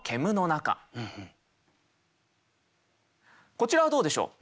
こちらはどうでしょう？